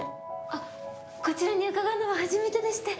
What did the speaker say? あっこちらに伺うのは初めてでして。